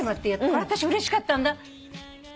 これあたしうれしかったんだ。